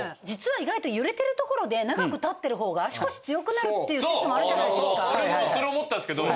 実は意外と揺れてるところで長く立ってる方が足腰強くなるっていう説もあるじゃないですか。